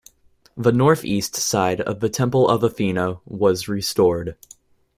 The north-east side of the Temple of Athena was restored.